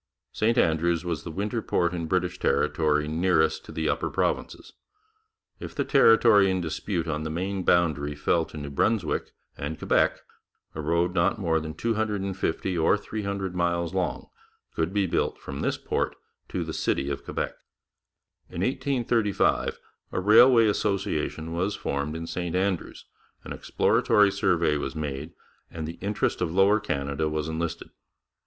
St Andrews was the winter port in British territory nearest to the upper provinces. If the territory in dispute on the Maine boundary fell to New Brunswick and Quebec, a road not more than 250 or 300 miles long could be built from this port to the city of Quebec. In 1835 a Railway Association was formed in St Andrews, an exploratory survey was made, and the interest of Lower Canada was enlisted.